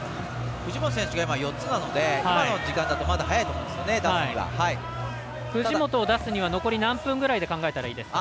藤本選手が４つなので今の時間だと早いと藤本を出すには残り何分ぐらいで考えたらいいですか？